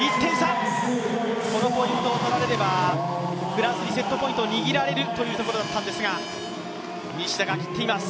このポイントを取られれば、フランスにセットポイントを握られるところだったんですが、西田が切っています。